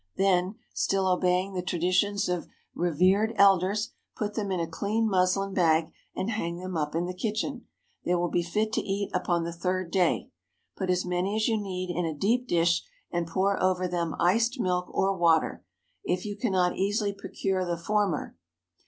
Then, still obeying the traditions of revered elders, put them in a clean muslin bag, and hang them up in the kitchen. They will be fit to eat upon the third day. Put as many as you need in a deep dish, and pour over them iced milk, or water, if you cannot easily procure the former.